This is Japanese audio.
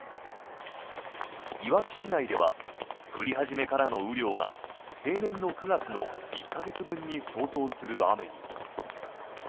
いわき市内では降り始めからの雨量が平年の９月の１か月分に相当する雨に。